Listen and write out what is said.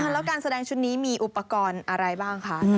แล้วการแสดงชุดนี้มีอุปกรณ์อะไรบ้างคะ